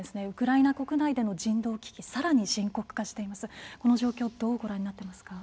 ウクライナ国内での人道危機さらに深刻化しています。